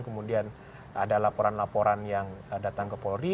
kemudian ada laporan laporan yang datang ke polri